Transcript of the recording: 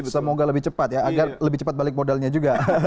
semoga lebih cepat ya agar lebih cepat balik modalnya juga